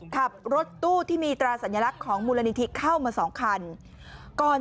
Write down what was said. ขับรถตู้ที่มีตราสัญลักษณ์ของมูลนิธิเข้ามาสองคันก่อน